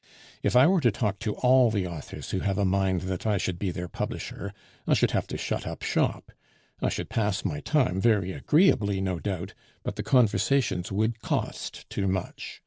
"If I were to talk to all the authors who have a mind that I should be their publisher, I should have to shut up shop; I should pass my time very agreeably no doubt, but the conversations would cost too much.